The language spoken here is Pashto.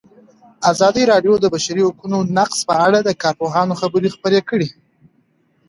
ازادي راډیو د د بشري حقونو نقض په اړه د کارپوهانو خبرې خپرې کړي.